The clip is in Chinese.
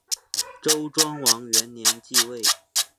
周庄王元年即位。